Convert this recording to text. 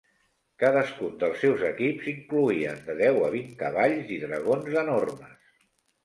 Cadascun dels seus equips incloïen de deu a vint cavalls i dragons enormes.